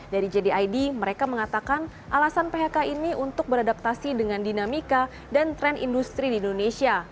dari jdid mereka mengatakan alasan phk ini untuk beradaptasi dengan dinamika dan tren industri di indonesia